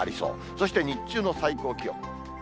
そして日中の最高気温。